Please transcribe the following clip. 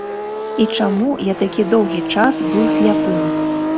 І чаму я такі доўгі час быў сляпым?